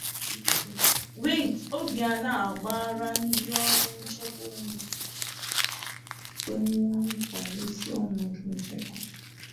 Obianọ Agbaala Ndị Ọrụ Nchekwa Ume, Kwenwòó Nkwa Ezi Ọnọdụ Nchekwa